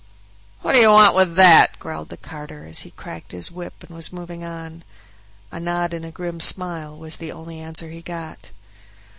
"What do you want with that?" growled the carter, as he cracked his whip and was moving on. A nod and a grim smile was the only answer he got.